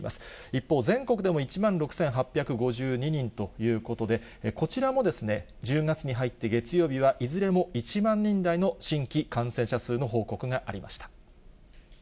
一方、全国でも１万６８５２人ということで、こちらも１０月に入って、月曜日はいずれも１万人台の新規感染者数の報告がありました。